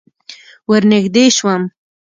ور نږدې شوم.